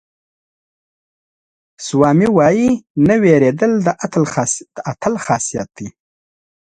سوامي وایي نه وېرېدل د اتل خاصیت دی.